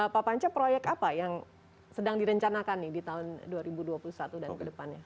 pak panca proyek apa yang sedang direncanakan nih di tahun dua ribu dua puluh satu dan kedepannya